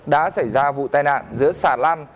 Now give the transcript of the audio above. đã xảy ra vụ tai nạn giữa xà lan